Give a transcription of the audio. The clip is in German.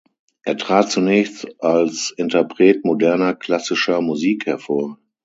Er trat zunächst als Interpret moderner klassischer Musik hervor.